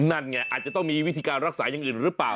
นั่นไงอาจจะต้องมีวิธีการรักษาอย่างอื่นหรือเปล่า